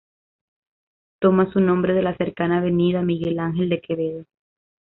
Toma su nombre de la cercana Avenida Miguel Ángel de Quevedo.